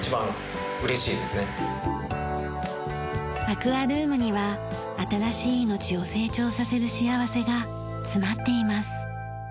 アクアルームには新しい命を成長させる幸せが詰まっています。